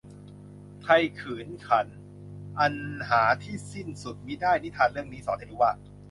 ไทยขื่นขัน อันหาที่สิ้นสุดมิได้ "นิทานเรื่องนี้สอนให้รู้ว่า"